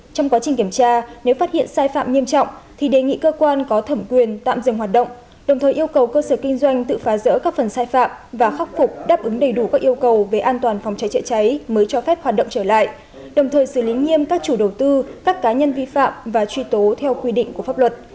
trong quá trình kiểm tra nếu phát hiện sai phạm nghiêm trọng thì đề nghị cơ quan có thẩm quyền tạm dừng hoạt động đồng thời yêu cầu cơ sở kinh doanh tự phá rỡ các phần sai phạm và khắc phục đáp ứng đầy đủ các yêu cầu về an toàn phòng cháy chữa cháy mới cho phép hoạt động trở lại đồng thời xử lý nghiêm các chủ đầu tư các cá nhân vi phạm và truy tố theo quy định của pháp luật